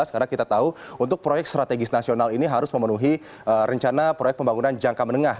karena kita tahu untuk proyek strategis nasional ini harus memenuhi rencana proyek pembangunan jangka menengah